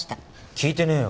聞いてねえよ。